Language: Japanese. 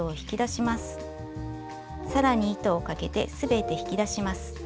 さらに糸をかけて全て引き出します。